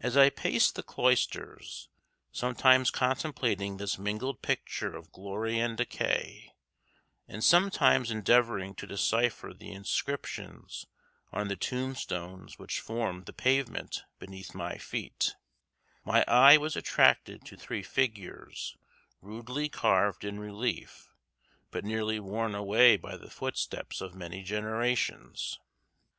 As I paced the cloisters, sometimes contemplating this mingled picture of glory and decay, and sometimes endeavoring to decipher the inscriptions on the tombstones which formed the pavement beneath my feet, my eye was attracted to three figures rudely carved in relief, but nearly worn away by the footsteps of many generations.